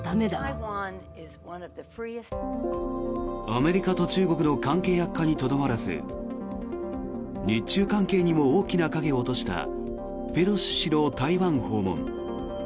アメリカと中国の関係悪化にとどまらず日中関係にも大きな影を落としたペロシ氏の台湾訪問。